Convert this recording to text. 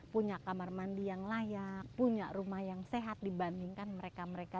punya kamar mandi yang layak punya rumah yang sehat dibandingkan mereka mereka